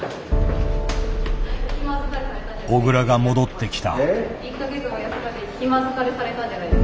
小倉が戻ってきた。